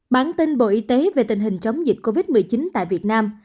bản tin bộ y tế về tình hình chống dịch covid một mươi chín tại việt nam